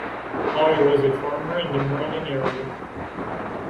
Hoy was a farmer in the Merlin area.